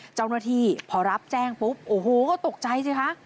เจ้าหน้าที่พอรับแจ้งปุ๊บโอ้โหก็ตกใจสิคะ